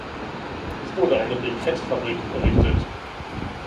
Es wurde eine Brikettfabrik errichtet.